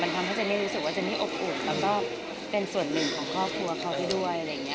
มันทำให้เจนนี่รู้สึกว่าเจนนี่อบอุ่นและก็เป็นส่วนหนึ่งของครอบครัวเขาไปด้วย